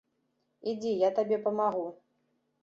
Ідзі, я табе памагу.